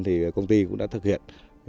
thì công ty cũng đã thực hiện